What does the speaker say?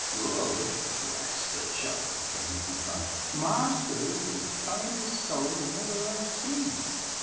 "Good?—bless the child!" said Mrs Bunch. "Master's as kind a soul as ever I see!